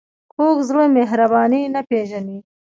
کوږ زړه مهرباني نه پېژني